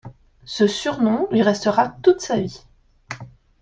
Ce surnom lui restera toute sa vie.